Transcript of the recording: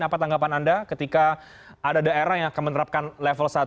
apa tanggapan anda ketika ada daerah yang akan menerapkan level satu